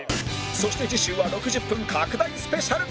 そして次週は６０分拡大スペシャル